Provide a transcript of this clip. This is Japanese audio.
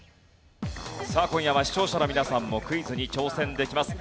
さあ今夜は視聴者の皆さんもクイズに挑戦できます。